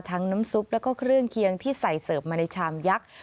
น้ำซุปแล้วก็เครื่องเคียงที่ใส่เสิร์ฟมาในชามยักษ์